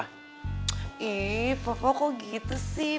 eh pokoknya kok gitu sih